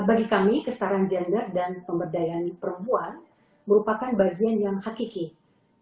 bagi kami kestaraan gender dan pemberdayaan perempuan merupakan bagian yang hakiki tidak bisa ditawar